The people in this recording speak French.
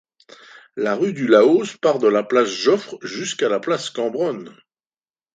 La rue du Laos part de la place Joffre jusqu'à la place Cambronne.